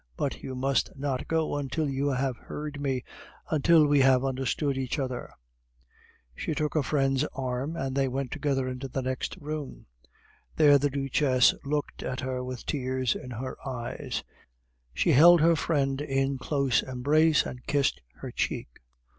But you must not go until you have heard me, until we have understood each other." She took her friend's arm, and they went together into the next room. There the Duchess looked at her with tears in her eyes; she held her friend in close embrace and kissed her cheek.